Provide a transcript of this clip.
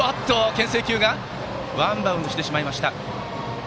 けん制球がワンバウンドしてしまいました。